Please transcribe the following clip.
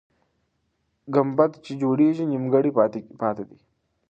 ګمبد چې جوړېږي، نیمګړی پاتې دی.